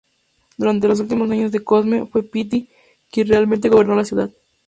Durante los últimos años de Cosme fue Pitti quien realmente gobernó la ciudad.